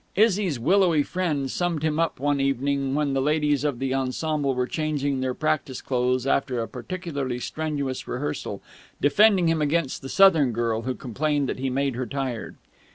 Izzy's willowy friend summed him up one evening when the ladies of the ensemble were changing their practice clothes after a particularly strenuous rehearsal, defending him against the Southern girl, who complained that he made her tired.